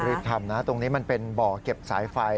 รีบทำนะตรงนี้มันเป็นบ่อเก็บสายไฟ